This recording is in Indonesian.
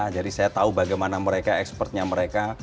jadi saya tahu bagaimana mereka ekspertnya mereka